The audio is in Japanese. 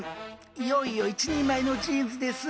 いよいよ一人前のジーンズです。